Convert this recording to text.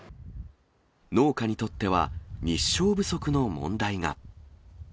農家にとっては日照不足の問題が。